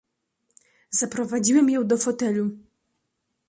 "Zaprowadziłem ją do fotelu."